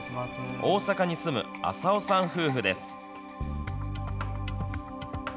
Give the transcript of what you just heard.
大阪に住む浅尾さん夫婦です。